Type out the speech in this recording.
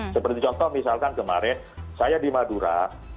seperti contoh misalkan kemarin saya di madura